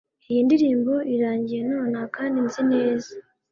Iyi ndirimbo irangiye nonaha kandi nzi neza